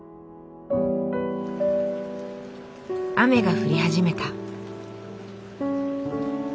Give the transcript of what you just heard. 雨が降り始めた。